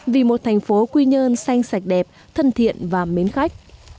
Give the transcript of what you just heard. vì một thành phố quy nhơn xanh sạch đẹp thân thiện và mến khách